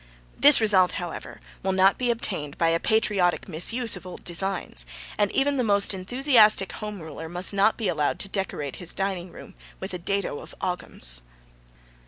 This result, however, will not be obtained by a patriotic misuse of old designs, and even the most enthusiastic Home Ruler must not be allowed to decorate his dining room with a dado of Oghams.